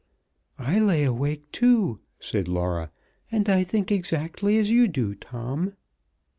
"I lay awake too," said Laura, "and I think exactly as you do, Tom."